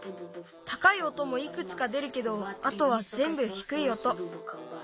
たかい音もいくつか出るけどあとはぜんぶひくい音。